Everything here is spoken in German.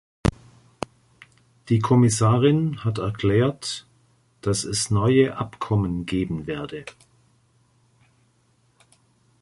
Die Kommissarin hat erklärt, dass es neue Abkommen geben werde.